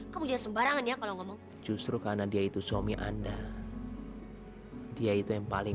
ketangan putri saya clio